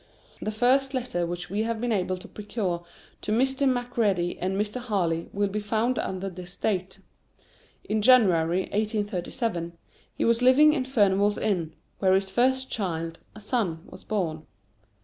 The first letters which we have been able to procure to Mr. Macready and Mr. Harley will be found under this date. In January, 1837, he was living in Furnival's Inn, where his first child, a son, was born.